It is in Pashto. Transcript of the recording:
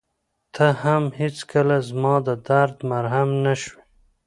ته هم هېڅکله زما د درد مرهم نه شوې.